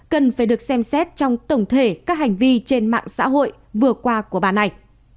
cần phải được xem xét trong tổng thể các hành vi trên mạng xã hội vừa qua của bà này